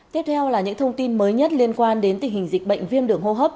tiếp theo là những thông tin mới nhất liên quan đến tình hình dịch bệnh viêm đường hô hấp